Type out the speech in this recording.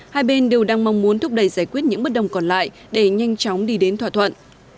hai bên đều đang mong muốn thúc đẩy giải quyết những bất đồng còn lại để nhanh chóng đi đến thỏa thuận